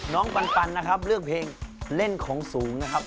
ปันนะครับเลือกเพลงเล่นของสูงนะครับ